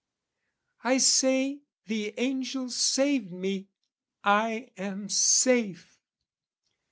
I say, the angel saved me: I am safe!